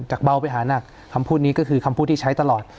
เบาไปหานักคำพูดนี้ก็คือคำพูดที่ใช้ตลอด